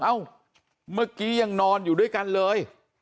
เอ้าเมื่อกี้ยังนอนอยู่ด้วยกันเลย